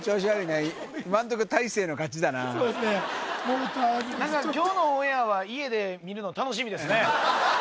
もうた何か今日のオンエアは家で見るの楽しみですね